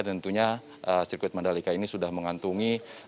dan tentunya sirkuit mandalika ini sudah mengantung